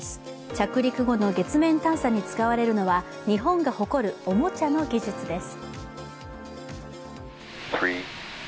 着陸後の月面探査に使われるのは日本が誇るおもちゃの技術です。